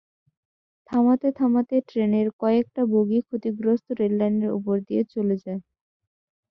থামাতে থামাতে ট্রেনের কয়েকটা বগি ক্ষতিগ্রস্ত রেললাইনের ওপর দিয়ে চলে যায়।